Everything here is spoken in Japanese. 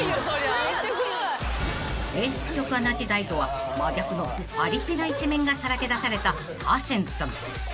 ［エース局アナ時代とは真逆のパリピな一面がさらけ出されたハセンさん］